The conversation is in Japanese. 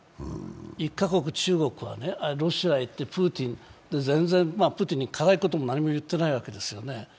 １か国、中国はロシアへ行ってプーチン、プーチンに辛いことも何も言ってないんですよね。